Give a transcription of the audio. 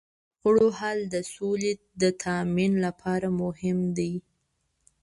د شخړو حل د سولې د تامین لپاره مهم دی.